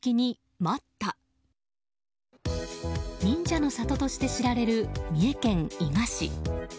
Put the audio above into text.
忍者の里として知られる三重県伊賀市。